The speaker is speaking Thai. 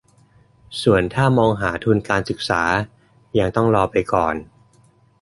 ส่วนถ้ามองหาทุนการศึกษายังต้องรอไปก่อน